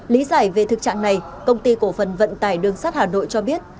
lý giải về thực trạng này công ty cổ phần vận tải đường sắt hà nội cho biết